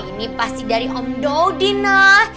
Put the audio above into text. ini pasti dari om daudi nah